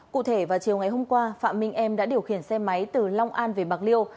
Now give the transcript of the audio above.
cụ thể vào chiều ngày hôm qua phạm minh em đã điều khiển xe máy từ long an về bạc liêu